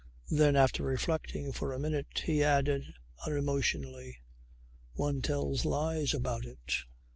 Then after reflecting for a minute he added unemotionally: "One tells lies about it."